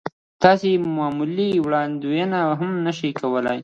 تاسې يې معمولاً وړاندوينه هم نه شئ کولای.